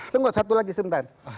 tunggu satu lagi sebentar